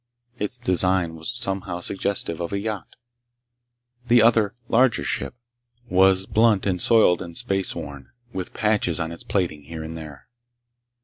Its design was somehow suggestive of a yacht. The other, larger, ship was blunt and soiled and space worn, with patches on its plating here and there.